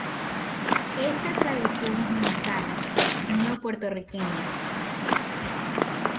Esta tradición es mexicana, no puertorriqueña.